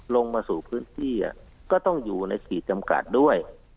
ลงมาสู่พื้นที่ก็ต้องอยู่ในขีดจำกัดด้วย